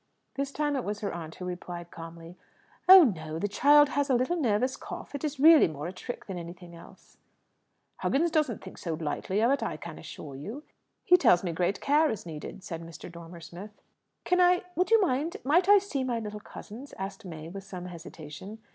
This time it was her aunt who replied calmly, "Oh no. The child has a little nervous cough; it is really more a trick than anything else." "Huggins doesn't think so lightly of it, I can assure you. He tells me great care is needed," said Mr. Dormer Smith. "Can I would you mind might I see my little cousins?" asked May, with some hesitation.